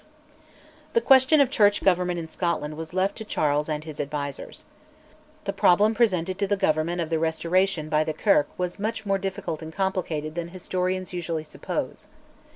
The question of Church government in Scotland was left to Charles and his advisers. The problem presented to the Government of the Restoration by the Kirk was much more difficult and complicated than historians usually suppose.